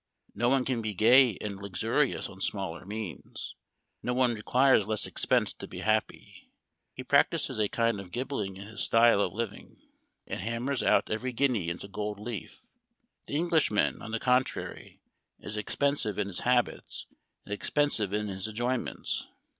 No one can be gay and luxurious on smaller means ; no one requires less expense to be happy. He practices a kind of gilding in his style of living, and hammers out every guinea into gold leaf. The Englishman, on the contrary, is expensive in his habits, and expensive in his enjoyments.